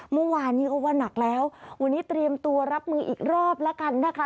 เมื่อวานนี้ก็ว่านักแล้ววันนี้เตรียมตัวรับมืออีกรอบแล้วกันนะคะ